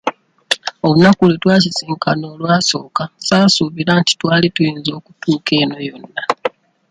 Olunaku lwe twasisinkana olwasooka saasuubira nti twali tuyinza okutuuka eno yonna.